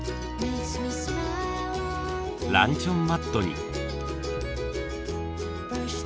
ランチョンマットに。